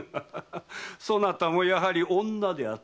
そなたもやはり女であったな？